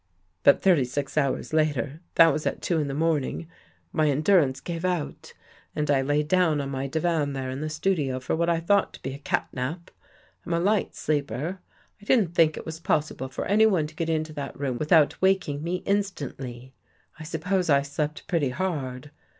But thirty six hours later, that was at two in the morn ing, my endurance gave out and I lay down on my 43 THE GHOST GIRL divan there in the studio for what I thought to be a cat nap. I'm a light sleeper. I didn't think it pos sible for anybody to get into that room without wak ing me instantly. I suppose I slept pretty hard.